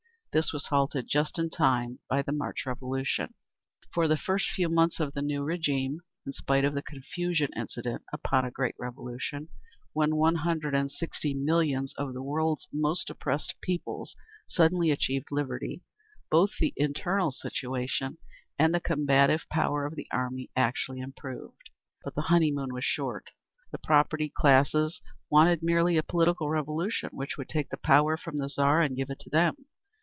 This was halted just in time by the March Revolution. For the first few months of the new régime, in spite of the confusion incident upon a great Revolution, when one hundred and sixty millions of the world's most oppressed peoples suddenly achieved liberty, both the internal situation and the combative power of the army actually improved. But the "honeymoon" was short. The propertied classes wanted merely a political revolution, which would take the power from the Tsar and give it to them.